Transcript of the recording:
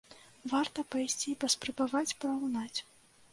Варта пайсці і паспрабаваць параўнаць.